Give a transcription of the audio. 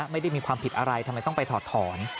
ไม่ได้มีความผิดอะไรทำไมต้องไปถอดถอน